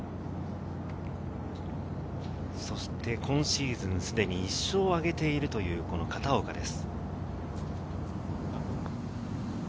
そして今シーズンすでに１勝を挙げているという片岡です。